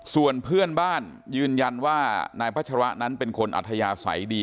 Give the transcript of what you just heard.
ส่วนเพื่อนบ้านยืนยันว่านายพัชระนั้นเป็นคนอัธยาศัยดี